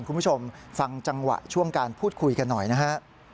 คุณผู้ชมฟังจังหวะช่วงการพูดคุยกันหน่อยนะฮะ